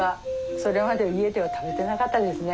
それまで家では食べてなかったですね。